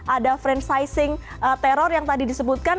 ada franchising teror yang tadi disebutkan